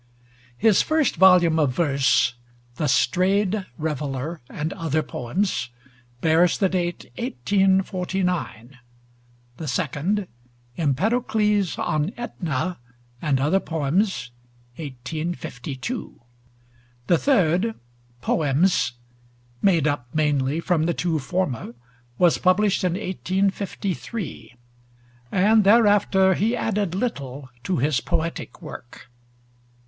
His first volume of verse, 'The Strayed Reveller and Other Poems,' bears the date 1849; the second, 'Empedocles on Etna and Other Poems,' 1852; the third, 'Poems,' made up mainly from the two former, was published in 1853, and thereafter he added little to his poetic work.